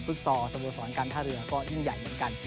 ซอลสโมสรการท่าเรือก็ยิ่งใหญ่เหมือนกัน